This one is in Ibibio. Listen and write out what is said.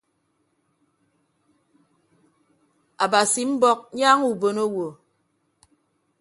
Abasi mbọk nyaaña ubon owo.